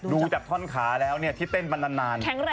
ดูจากท่อนขาแล้วที่เต้นมานาน